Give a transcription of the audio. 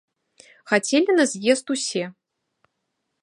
Хацелі на з'езд усе.